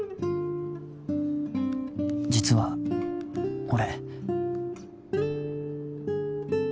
「実は俺」